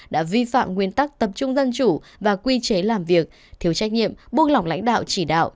đã vi phạm nguyên tắc tập trung dân chủ và quy chế làm việc thiếu trách nhiệm buông lỏng lãnh đạo chỉ đạo